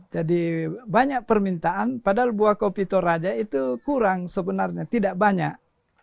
jadi banyak permintaan padahal buah kopi toraja itu kurang sebenarnya tidak banyak